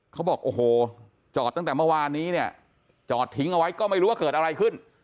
เขาบอกโอ้โหจอดตั้งแต่เมื่อวานนี้เนี่ยจอดทิ้งเอาไว้ก็ไม่รู้ว่าเกิดอะไรขึ้น